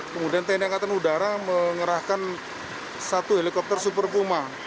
kemudian tni angkatan udara mengerahkan satu helikopter super puma